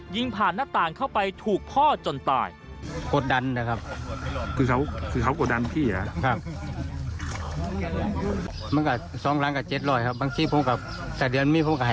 ยิงผ่านหน้าต่างเข้าไปถูกพ่อจนตาย